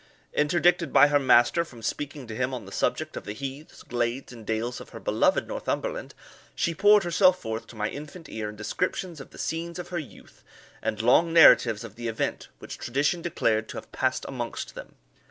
Interdicted by her master from speaking to him on the subject of the heaths, glades, and dales of her beloved Northumberland, she poured herself forth to my infant ear in descriptions of the scenes of her youth, and long narratives of the events which tradition declared to have passed amongst them.